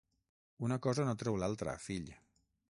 Una cosa no treu l'altra, fill.